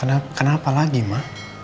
oh kenapa lagi ma